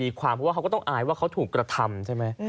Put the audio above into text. ความเพราะว่าเขาก็ต้องอายว่าเขาถูกกระทำใช่ไหม